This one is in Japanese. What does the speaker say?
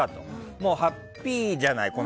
もうハッピーじゃない。